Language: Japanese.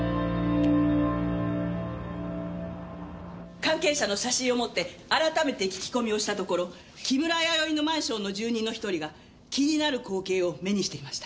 関係者の写真を持って改めて聞き込みをしたところ木村弥生のマンションの住人の１人が気になる光景を目にしていました。